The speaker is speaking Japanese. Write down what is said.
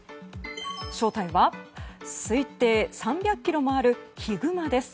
正体は推定３００ｋｇもあるヒグマです。